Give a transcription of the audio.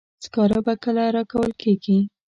سکاره به کله راکول کیږي.